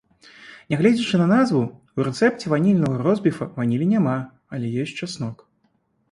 Нягледзячы на назву, у рэцэпце ванільнага ростбіфа ванілі няма, але ёсць часнок.